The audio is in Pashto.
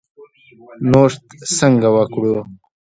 نوښت څنګه وکړو؟